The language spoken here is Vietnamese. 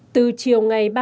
từ chiều ngày